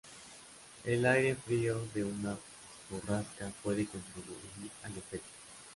El aire frío de una borrasca puede contribuir al efecto.